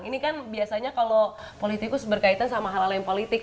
ini kan biasanya kalau politikus berkaitan sama hal hal yang politik